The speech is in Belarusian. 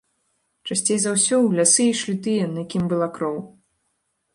Часцей за ўсё, у лясы ішлі тыя, на кім была кроў.